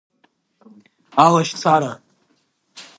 Алашьцара…